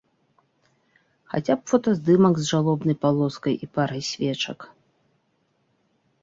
Хаця б фотаздымак з жалобнай палоскай і парай свечак.